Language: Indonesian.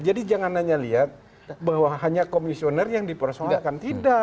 jadi jangan hanya lihat bahwa hanya komisioner yang dipersoalkan tidak